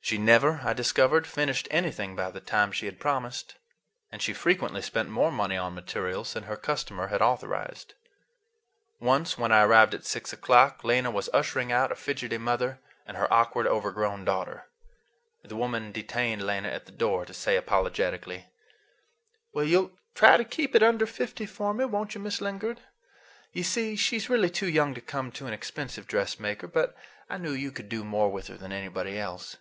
She never, I discovered, finished anything by the time she had promised, and she frequently spent more money on materials than her customer had authorized. Once, when I arrived at six o'clock, Lena was ushering out a fidgety mother and her awkward, overgrown daughter. The woman detained Lena at the door to say apologetically:— "You'll try to keep it under fifty for me, won't you, Miss Lingard? You see, she's really too young to come to an expensive dressmaker, but I knew you could do more with her than anybody else."